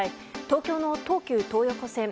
東京の東急東横線